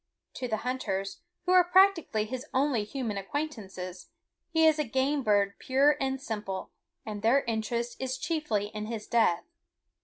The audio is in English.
To the hunters, who are practically his only human acquaintances, he is a game bird pure and simple, and their interest is chiefly in his death.